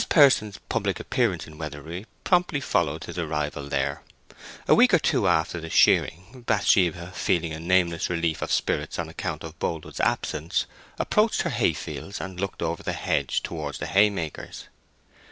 This person's public appearance in Weatherbury promptly followed his arrival there. A week or two after the shearing, Bathsheba, feeling a nameless relief of spirits on account of Boldwood's absence, approached her hayfields and looked over the hedge towards the haymakers.